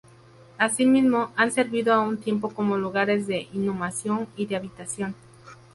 Asimismo han servido a un tiempo como lugares de inhumación y de habitación.